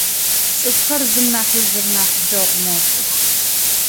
Цӏыфхэр зым нахьи зыр нахь дэгъу мэхъух.